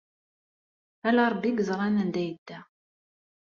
Ala Ṛebbi ay yeẓran anda ay yedda.